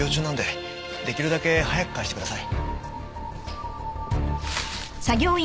なんで出来るだけ早く返してください。